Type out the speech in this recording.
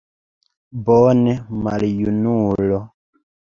Bone, maljunulo!